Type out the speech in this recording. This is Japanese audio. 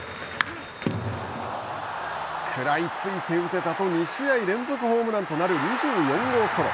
食らいついて打てたと２試合連続ホームランとなる２４号ソロ。